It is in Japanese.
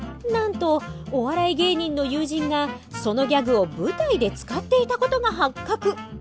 なんとお笑い芸人の友人がそのギャグを舞台で使っていたことが発覚。